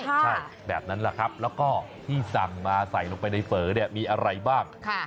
ใช่แบบนั้นแหละครับแล้วก็ที่สั่งมาใส่ลงไปในเฝอเนี่ยมีอะไรบ้าง